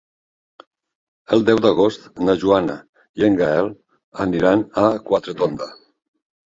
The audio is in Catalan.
El deu d'agost na Joana i en Gaël aniran a Quatretonda.